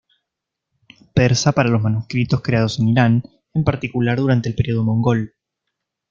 Persa para los manuscritos creados en Irán, en particular durante el período mongol.